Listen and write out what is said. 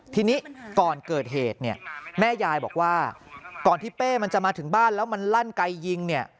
ทีนี้ก่อนเกิดเหตุเนี่ยแม่ยายบอกว่าก่อนที่เป้มันจะมาถึงบ้านแล้วมันลั่นไกยิงเนี่ย